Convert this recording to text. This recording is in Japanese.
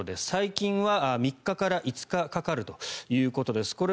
最近では３日から５日かかるということです。